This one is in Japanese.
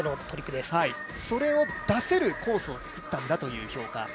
それを出せるコースを作ったんだという評価。